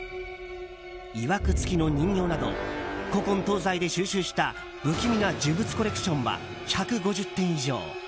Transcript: いわくつきの人形など古今東西で収集した不気味な呪物コレクションは１５０点以上。